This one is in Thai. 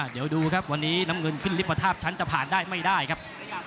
เดี๋ยวดูครับวันนี้น้ำเงินขึ้นลิปทาบชั้นจะผ่านได้ไม่ได้ครับ